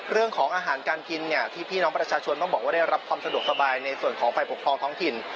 เรื่องของอาหารการกินเนี่ยที่พี่น้องประชาชนต้องบอกว่าได้รับความสะดวกสบายในส่วนของฝ่ายปกครองท้องถิ่น